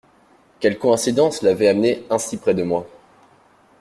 Quelle coïncidence l’avait amenée ainsi près de moi?